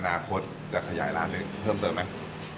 อนาคตจะขยายร้านนี้เพิ่มเติมไหม